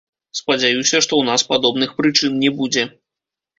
Спадзяюся, што ў нас падобных прычын не будзе.